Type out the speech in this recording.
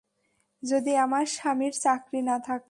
যদি আমার স্বামীর চাকরি না থাকত।